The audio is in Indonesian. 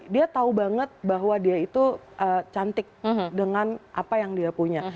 dia tahu banget bahwa dia itu cantik dengan apa yang dia punya